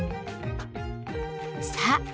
さあ